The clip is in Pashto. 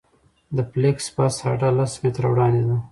د فلېکس بس هډه لس متره وړاندې ده